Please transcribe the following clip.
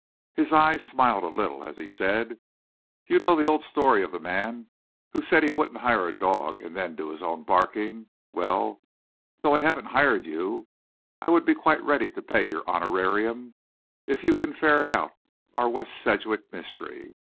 His eyes smiled a little, as he said, "You know the old story of the man who said he wouldn't hire a dog and then do his own barking. Well, though I haven't 'hired' you, I would be quite ready to pay your honorarium if you can ferret out our West Sedgwick mystery.